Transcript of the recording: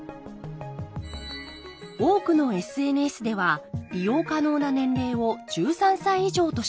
多くのＳＮＳでは利用可能な年齢を１３歳以上としています。